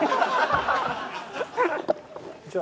じゃあ。